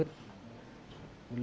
dulu sekarang mama nikah lagi jadinya